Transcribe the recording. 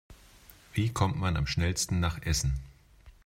Wie kommt man am schnellsten nach Essen?